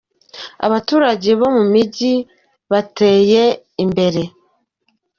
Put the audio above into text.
Abaturage bo mumijyi bateye iimbere